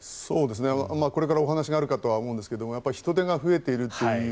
これからお話があるかとは思うんですが人出が増えているという。